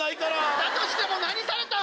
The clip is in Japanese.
だとしても何されたん？